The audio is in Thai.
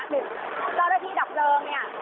เจ้าหน้าที่ดับเริง